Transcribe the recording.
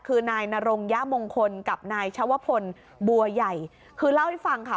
คือนายนรงยะมงคลกับนายชวพลบัวใหญ่คือเล่าให้ฟังค่ะ